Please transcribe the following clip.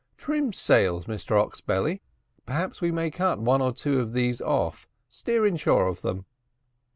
"Trim sails, Mr Oxbelly perhaps we may cut one or two of these off steer inshore of them."